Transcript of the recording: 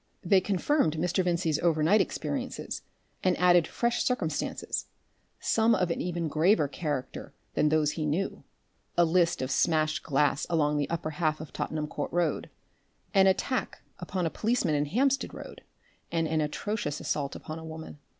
They confirmed Mr. Vincey's overnight experiences and added fresh circumstances, some of an even graver character than those he knew a list of smashed glass along the upper half of Tottenham Court Road, an attack upon a policeman in Hampstead Road, and an atrocious assault upon a woman.